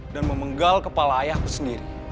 memenggal kepala ayahku sendiri